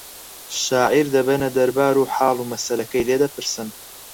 شاعیر دەبەنە دەربار و حاڵ و مەسەلەکەی لێ دەپرسن